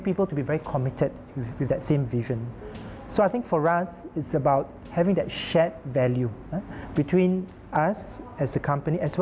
เพื่อให้คนกำลังรับความคิด